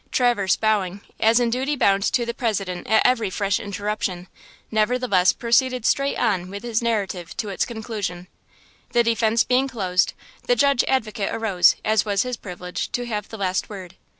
Traverse, bowing, as in duty bound to the President at every fresh interruption, nevertheless proceeded straight on with his narrative to its conclusion. The defence being closed, the Judge Advocate arose, as was his privilege, to have the last word.